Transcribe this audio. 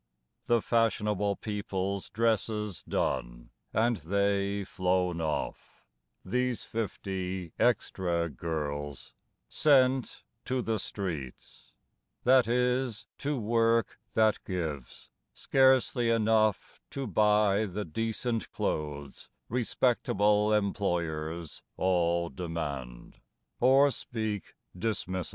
The fashionable people's dresses done, And they flown off, these fifty extra girls Sent—to the streets: that is, to work that gives Scarcely enough to buy the decent clothes Respectable employers all demand Or speak dismissal.